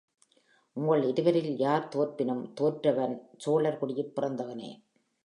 உங்கள் இருவரில் யார் தோற்பினும், தோற்றவன் சோழர் குடியிற் பிறந்தவனே!